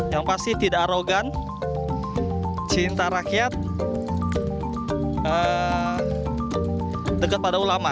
yang pasti tidak arogan cinta rakyat dekat pada ulama